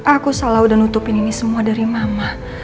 aku selalu udah nutupin ini semua dari mama